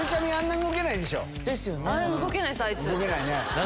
動けないね。